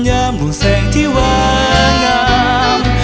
ยามห่วงแสงที่ว่างาม